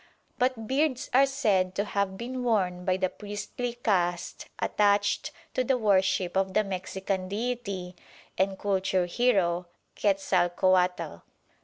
But beards are said to have been worn by the priestly caste attached to the worship of the Mexican deity and culture hero Quetzalcoatl.